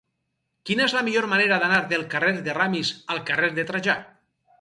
Quina és la millor manera d'anar del carrer de Ramis al carrer de Trajà?